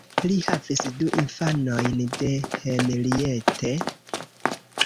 Li havis du infanojn de Henriette.